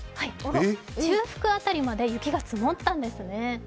中腹辺りまで雪が積もったんですね。